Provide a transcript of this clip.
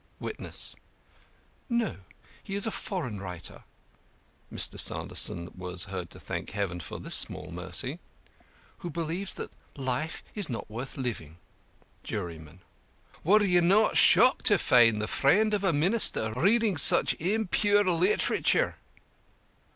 WITNESS: No, he is a foreign writer (Mr. Sanderson was heard to thank heaven for this small mercy) who believes that life is not worth living. The JURYMAN: Were you not shocked to find the friend of a meenister reading such impure leeterature?